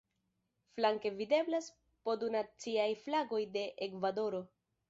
Flanke videblas po du naciaj flagoj de Ekvadoro.